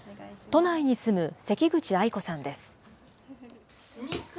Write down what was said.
都内に住む関口愛子さんです。